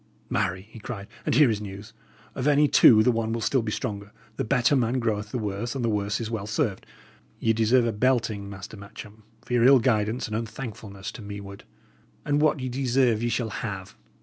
"Marry!" he cried, "and here is news! Of any two the one will still be stronger. The better man throweth the worse, and the worse is well served. Ye deserve a belting, Master Matcham, for your ill guidance and unthankfulness to meward; and what ye deserve ye shall have."